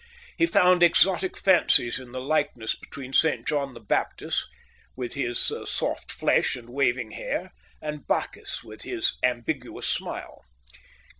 He found exotic fancies in the likeness between Saint John the Baptist, with his soft flesh and waving hair, and Bacchus, with his ambiguous smile.